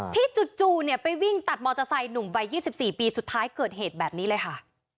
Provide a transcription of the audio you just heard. จู่ไปวิ่งตัดมอเตอร์ไซค์หนุ่มวัย๒๔ปีสุดท้ายเกิดเหตุแบบนี้เลยค่ะ